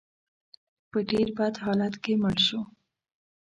په ډېر بد حالت کې مړ شو.